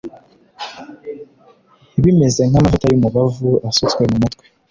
Bimeze nk’amavuta y’umubavu asutswe mu mutwe